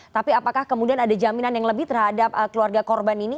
tapi apakah kemudian ada jaminan yang lebih terhadap keluarga korban ini